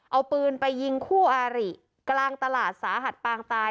เอาปืนไปยิงคู่อาริกลางตลาดสาหัสปางตาย